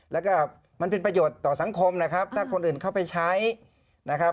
แล้วก็มันเป็นประโยชน์ต่อสังคมนะครับถ้าคนอื่นเข้าไปใช้นะครับ